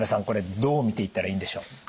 これどう見ていったらいいんでしょう？